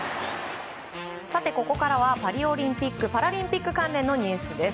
ここからはパリオリンピック・パラリンピック関連のニュースです。